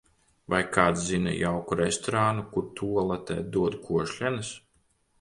Vai kāds zina jauku restorānu kur, tualetē dod košļenes?